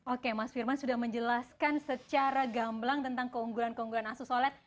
oke mas firman sudah menjelaskan secara gamblang tentang keunggulan keunggulan asus oled